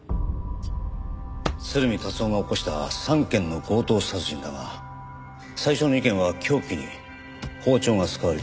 鶴見達男が起こした３件の強盗殺人だが最初の２件は凶器に包丁が使われている。